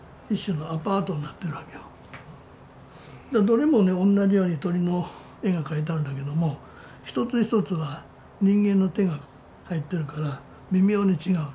どれもね同じように鳥の絵が描いてあるんだけれども一つ一つは人間の手が入ってるから微妙に違うの。